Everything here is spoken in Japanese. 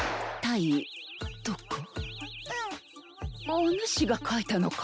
おぬしが書いたのか？